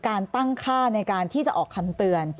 การตั้งค่าในการที่จะออกคำเตือน